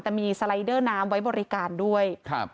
แต่มีสไลเดอร์น้ำไว้บริการด้วยครับ